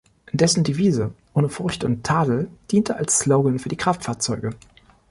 Dessen Devise "Ohne Furcht und Tadel" diente als Slogan für die Kraftfahrzeuge.